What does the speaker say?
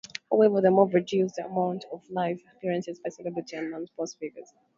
However, the move reduced the amount of live appearances by celebrities and non-sports figures.